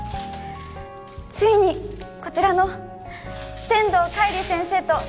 ついにこちらの天堂浬先生と